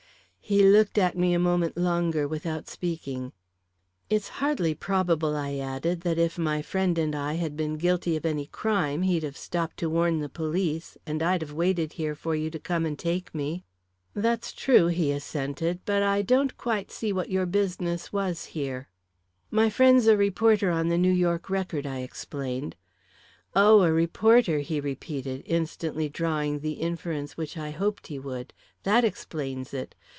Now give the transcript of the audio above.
He looked at me a moment longer without speaking. "It's hardly probable," I added, "that if my friend and I had been guilty of any crime, he'd have stopped to warn the police, and I'd have waited here for you to come and take me." "That's true," he assented; "but I don't quite see what your business was here." "My friend's a reporter on the New York Record," I explained. "Oh, a reporter!" he repeated, instantly drawing the inference which I hoped he would. "That explains it.